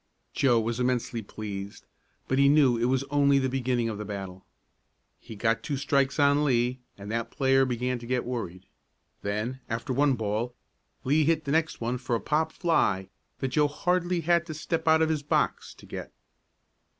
Joe was immensely pleased, but he knew it was only the beginning of the battle. He got two strikes on Lee and that player began to get worried. Then, after one ball, Lee hit the next one for a pop fly that Joe hardly had to step out of his box to get.